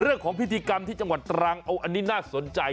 เรื่องของพิธีกรรมที่จังหวัดตรังเอาอันนี้น่าสนใจ